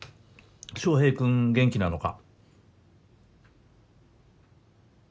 翔平君元気なのか？